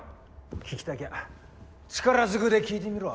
聞きたきゃ力ずくで聞いてみろ。